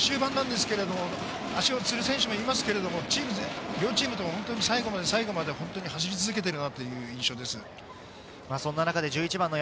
本当にゲーム終盤なんですけれど、足をつる選手もいますけれど、両チームとも本当に最後まで走り続けてるなという印象です。